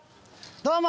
どうも！